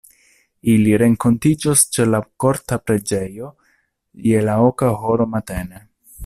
Ili renkontiĝos ĉe la Korta Preĝejo je la oka horo matene.